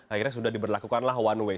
akhirnya sudah diberlakukanlah one way